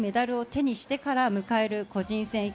実際メダルを手にしてから迎える個人戦。